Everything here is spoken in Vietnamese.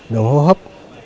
đường hô hấp